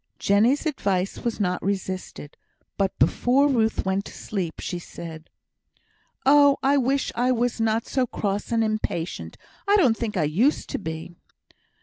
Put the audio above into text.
Jenny's advice was not resisted; but before Ruth went to sleep, she said: "Oh! I wish I was not so cross and impatient. I don't think I used to be."